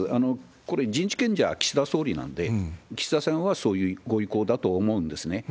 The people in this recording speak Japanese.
これ、人事権者岸田総理なんで、岸田さんはそういうご意向だと思うんですね。